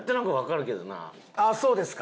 あっそうですか。